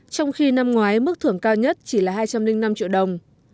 trong khi năm ngoái mức thưởng cao nhất chỉ là hai trăm linh năm triệu đồng